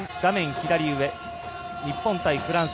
左上、日本対フランス。